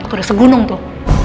udah segunung tuh